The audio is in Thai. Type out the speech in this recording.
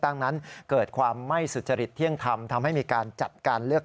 นั้นเกิดความไม่สุจริตเที่ยงธรรมทำให้มีการจัดการเลือก